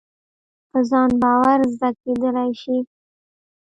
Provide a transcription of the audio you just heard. په ځان باور زده کېدلای شي.